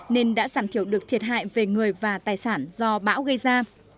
nên đã giảm thiểu được thiệt hại về người và tài sản do bão gây ra